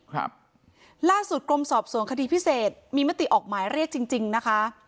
ครับล่าสุดกรมสอบสวนคดีพิเศษมีมติออกหมายเรียกจริงจริงนะคะ